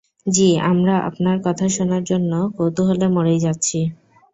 জ্বি, আমরা আপনার কথা শোনার জন্য কৌতুহলে মরেই যাচ্ছি!